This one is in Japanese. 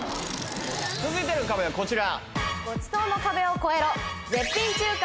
続いての壁はこちら。